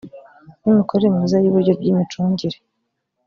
n imikorere myiza y uburyo bw imicungire